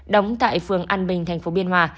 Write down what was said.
đóng tại phường an bình tp biên hòa